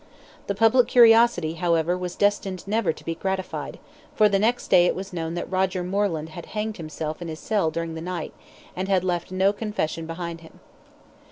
The public curiosity, however, was destined never to be gratified, for the next day it was known that Roger Moreland had hanged himself in his cell during the night, and had left no confession behind him.